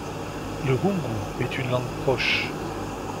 Le rungu est une langue proche.